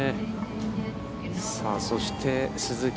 さあ、そして、鈴木。